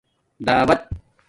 دعوت